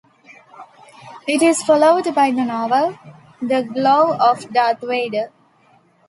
It is followed by the novel "The Glove of Darth Vader".